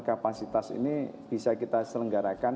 kapasitas ini bisa kita selenggarakan